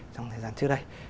trong thời gian trước đây